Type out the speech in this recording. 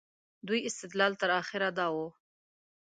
دوی استدلال تر اخره دا و.